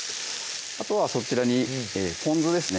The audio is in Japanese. あとはそちらにぽん酢ですね